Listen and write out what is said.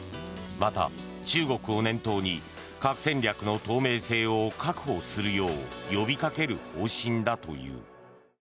また、中国を念頭に核戦略の透明性を確保するよう呼びかける方針だという。